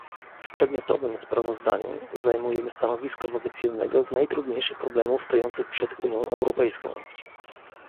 W przedmiotowym sprawozdaniu zajmujemy stanowisko wobec jednego z najtrudniejszych problemów stojących przed Unią Europejską